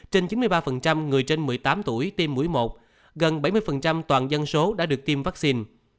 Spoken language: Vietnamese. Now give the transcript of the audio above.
trên chín mươi ba người trên một mươi tám tuổi tiêm mũi một gần bảy mươi toàn dân số đã được tiêm vaccine